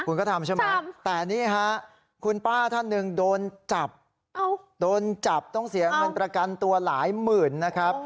คุณก็ทำใช่ไหมแต่นี่ฮะคุณป้าท่านหนึ่งโดนจับโดนจับต้องเสียเงินประกันตัวหลายหมื่นนะครับ